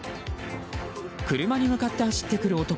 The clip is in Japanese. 車に向かって走ってくる男。